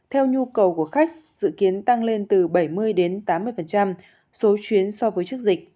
theo nhu cầu của khách dự kiến tăng lên từ bảy mươi đến tám mươi số chuyến so với trước dịch